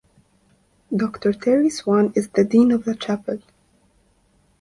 Doctor Terry Swan is the dean of the Chapel.